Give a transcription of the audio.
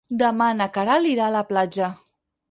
Demà na Queralt irà a la platja.